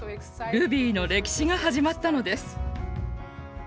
ルビーの歴史が始まったのです。